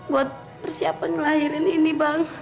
buat bersiap pengelahirin ini bang